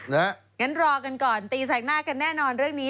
งั้นรอกันก่อนตีแสกหน้ากันแน่นอนเรื่องนี้